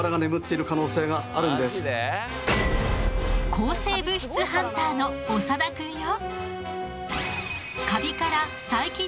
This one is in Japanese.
抗生物質ハンターの長田くんよ。